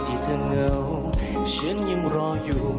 โอ้โหขอบคุณครับ